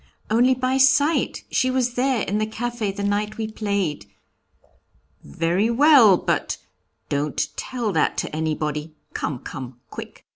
'Only by sight, she was there in the café the night we played.' 'Very well; but don't tell that to anybody; come, come, quick.'